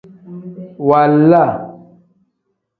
Waala.